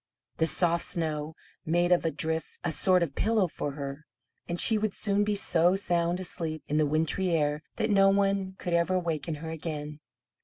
The soft snow made of a drift a sort of pillow for her, and she would soon be so sound asleep, in the wintry air, that no one could ever waken her again.